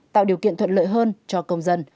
tạo điều kiện thuận lợi hơn cho công dân